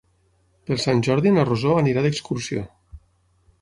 Per Sant Jordi na Rosó anirà d'excursió.